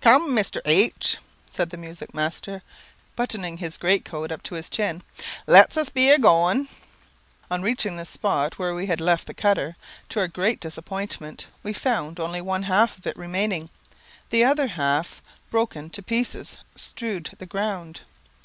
"Cum, Mr. H ," said the music master, buttoning his great coat up to his chin, "let us be a goin'." On reaching the spot where we had left the cutter, to our great disappointment, we found only one half of it remaining; the other half, broken to pieces, strewed the ground.